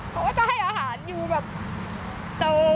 เขาก็จะให้อาหารอยู่แบบเติม